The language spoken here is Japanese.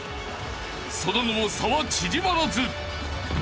［その後も差は縮まらず］